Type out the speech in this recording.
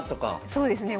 そうですね。